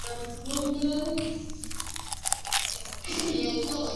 El algodón cultivado previamente había sido traído de Sudán por Maho Bey.